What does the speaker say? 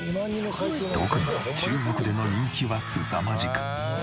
特に中国での人気はすさまじく。